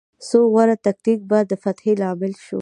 خو غوره تکتیک به د فتحې لامل شو.